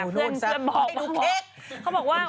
เกรสฟังหน่อยดูเค้กเขาต้องโ์ิทธิ์